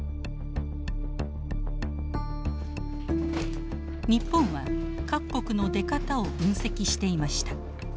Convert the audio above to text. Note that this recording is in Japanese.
日本は各国の出方を分析していました。